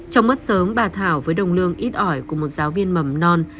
trong mắt sớm bà thảo với đồng lương ít ỏi của một giáo viên mầm non